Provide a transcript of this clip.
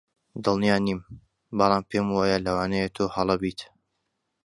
دڵنیا نیم، بەڵام پێم وایە لەوانەیە تۆ هەڵە بیت.